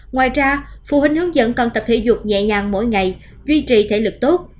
ngoài ra phụ huynh hướng dẫn còn tập thể dục nhẹ nhàng mỗi ngày duy trì thể lực tốt